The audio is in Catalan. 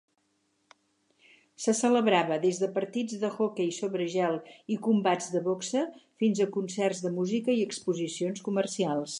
Se celebrava des de partits de hoquei sobre gel i combats de boxa fins a concerts de música i exposicions comercials.